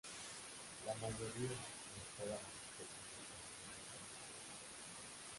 La mayoría sino todas las especies de esta familia son introducidas.